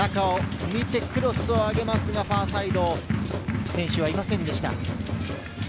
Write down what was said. クロスを上げますがファーサイド、選手がいませんでした。